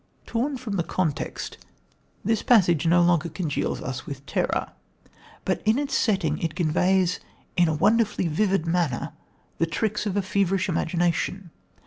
Torn from the context, this passage no longer congeals us with terror, but in its setting it conveys in a wonderfully vivid manner the tricks of a feverish imagination.